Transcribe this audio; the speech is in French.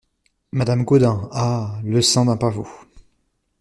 Madame Gaudin Ah ! le sein d'un pavot !